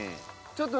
ちょっと。